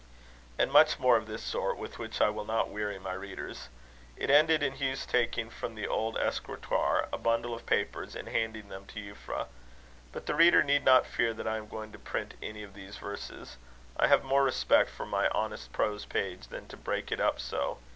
And much more of this sort, with which I will not weary my readers. It ended in Hugh's taking from the old escritoire a bundle of papers, and handing them to Euphra. But the reader need not fear that I am going to print any of these verses. I have more respect for my honest prose page than to break it up so.